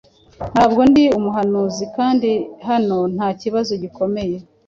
Ntabwo ndi umuhanuzi kandi hano nta kibazo gikomeye